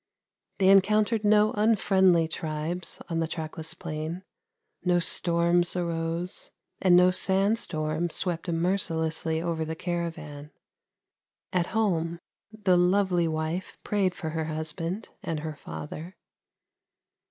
They encountered no un friendly tribes on the trackless plain, no storms arose, and no sand storm swept mercilessly over the caravan. At home the lovely wife prayed for her husband and her father.